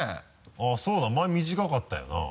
あぁそうだ前短かったよな。